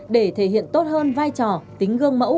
để thể hiện tốt hơn vai trò tính gương mẫu